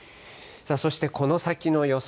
そしてこの先の予想